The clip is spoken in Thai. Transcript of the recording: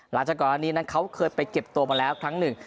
หลังจากก่อนอันนี้นั้นเขาเคยไปเก็บตัวมาแล้วครั้งหนึ่ง